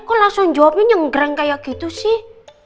kok langsung jawabnya nyenggereng kayak gitu sih